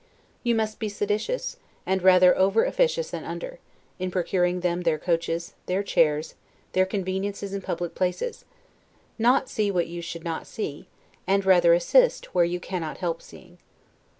You must be sedulous, and rather over officious than under, in procuring them their coaches, their chairs, their conveniences in public places: not see what you should not see; and rather assist, where you cannot help seeing.